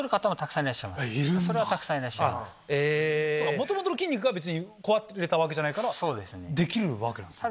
元々の筋肉は別に壊れたわけじゃないからできるわけなんですね。